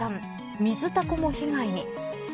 ミズタコも被害に。